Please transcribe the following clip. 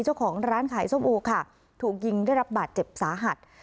เจ้าของร้านขายส้มโอค่ะถูกยิงได้รับบาดเจ็บสาหัส